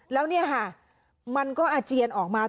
แล้วเนี่ยค่ะมันก็อาเจียนออกมา